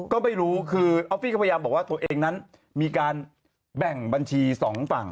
อฟฟี่เค้าพยายามบอกว่าตัวเองนั้นมีการแบ่งบัญชีสองฝั่ง